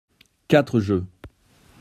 Quatre jeux.